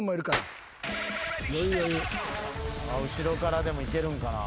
後ろからでもいけるんかなぁ。